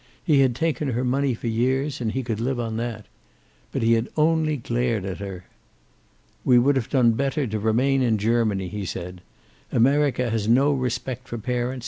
He had taken her money for years, and he could live on that. But he had only glared at her. "We would have done better to remain in Germany," he said. "America has no respect for parents.